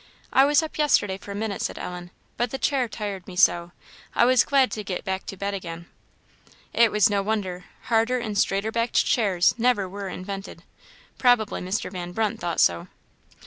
"I was up yesterday for a minute," said Ellen; "but the chair tired me so, I was glad to get back to bed again." It was no wonder; harder and straighter backed chairs never were invented. Probably Mr. Van Brunt thought so.